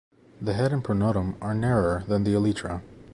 The head and pronotum are narrower than the elytra.